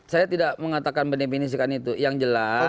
saya tidak mengatakan mendefinisikan itu yang jelas